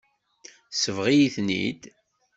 Tesbeɣ-iten-id.